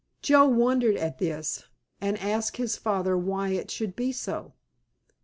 Joe wondered at this, and asked his father why it should be so.